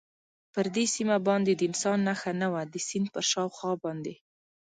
پر دې سیمه باندې د انسان نښه نه وه، د سیند پر شاوخوا باندې.